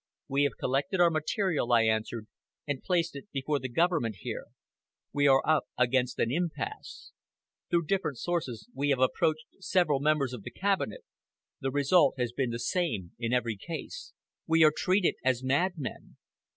"We have collected our material," I answered, "and placed it before the government here. We are up against an impasse. Through different sources we have approached several members of the Cabinet. The result has been the same in every case. We are treated as madmen.